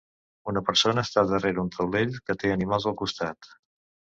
Una persona està darrere un taulell que té animals al costat.